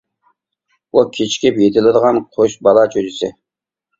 ئۇ كېچىكىپ يېتىلىدىغان قۇش بالا چۈجىسى.